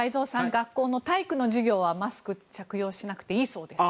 学校の体育の授業はマスクを着用しなくていいそうです。